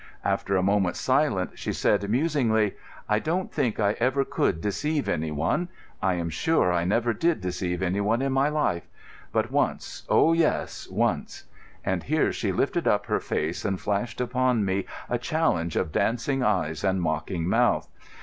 After a moment's silence she said musingly: "I don't think I ever could deceive any one. I am sure I never did deceive any one in my life—but once; oh, yes, once." And here she lifted up her face and flashed upon me a challenge of dancing eyes and mocking mouth.